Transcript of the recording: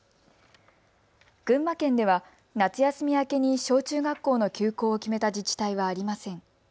群馬県では夏休み明けに小中学校の休校を決めた自治体はありません。